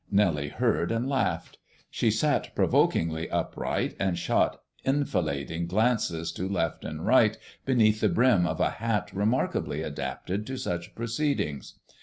Nellie heard and laughed. She sat provokingly upright, and shot enfilading glances to left and right beneath the brim of a hat remarkably adapted to such proceedings.